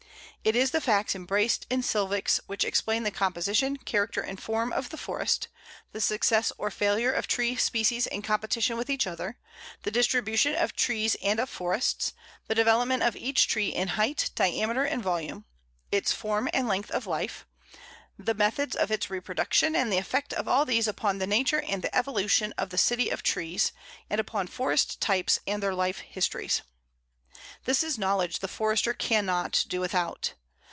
It is the facts embraced in Silvics which explain the composition, character, and form of the forest; the success or failure of tree species in competition with each other; the distribution of trees and of forests; the development of each tree in height, diameter, and volume; its form and length of life; the methods of its reproduction; and the effect of all these upon the nature and the evolution of the city of trees, and upon forest types and their life histories. This is knowledge the Forester can not do without.